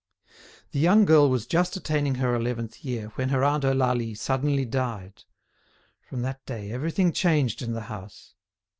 The young girl was just attaining her eleventh year when her aunt Eulalie suddenly died. From that day everything changed in the house.